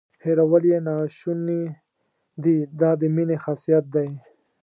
هیرول یې ناشونې دي دا د مینې خاصیت دی.